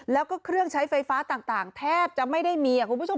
แล้วก็เครื่องใช้ไฟฟ้าต่างแทบจะไม่ได้มีคุณผู้ชม